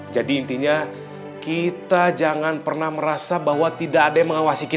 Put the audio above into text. jadi intinya kita jangan pernah merasa bahwa tidak ada yang mengawasi kita